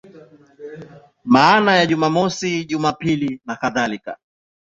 Maana ya Jumamosi, Jumapili nakadhalika.